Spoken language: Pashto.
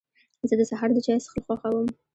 زه د سهار د چای څښل خوښوم.